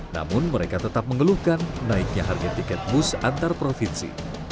namun mereka tetap mengeluhkan naiknya harga tiket bus antar provinsi